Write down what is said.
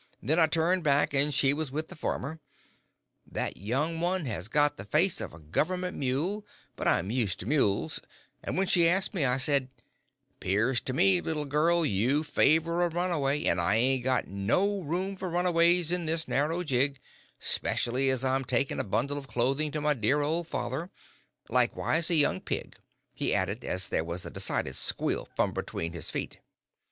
Then I turned back, and she was with the farmer. That young one has got the face of a government mule, but I'm used to mules, and when she asked me I said, ''Pears to me, little girl, you favour a runaway, and I ain't got no room for runaways in this narrow rig, 'specially as I'm taking a bundle of clothing to my dear old father' likewise a young pig," he added, as there was a decided squeal from between his feet.